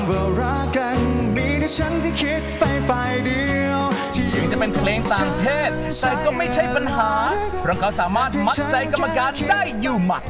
ยังจะเป็นเพลงต่างเทศแต่ก็ไม่ใช่ปัญหาเพราะเขาสามารถมัดใจกรรมการได้อยู่หมด